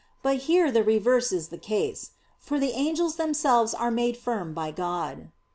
But here the reverse is the case; for the angels themselves are made firm by God.